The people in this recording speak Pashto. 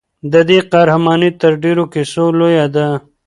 د دې قهرماني تر ډېرو کیسو لویه ده.